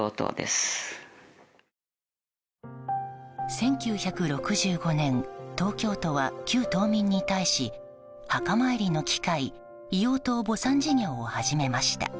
１９６５年、東京都は旧島民に対し墓参りの機会硫黄島墓参事業を始めました。